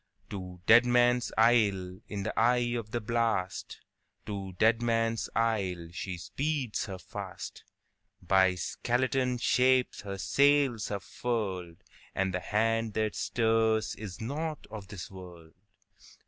To Deadman's Isle, in the eye of the blast, To Deadman's Isle, she speeds her fast; By skeleton shapes her sails are furled, And the hand that steers is not of this world!